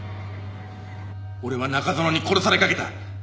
俺は中園に殺されかけた。